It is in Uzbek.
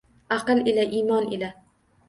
Аql ila, iymon ila